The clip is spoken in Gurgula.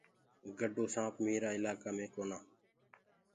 گَڊو سآنپ مهرآ ايِلآڪآ مي ڪونآ۔